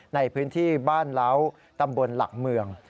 ในพื้นที่บ้านเล้าตำบลหลักเมือง